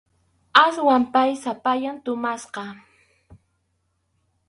Aswan pay sapallan tumasqa.